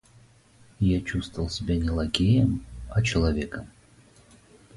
Я чувствовал себя не лакеем, а человеком.